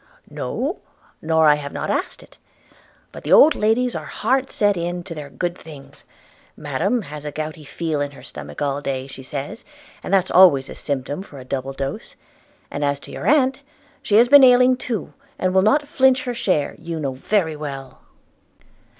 'No, nor I have not asked it; but the old ladies are hard set in to their good things. Madam has had a gouty feel in her stomach all day, she says, and that's always a symptom for a double dose; and as to your aunt, she has been ailing too, and will not flinch her share, you know very well.'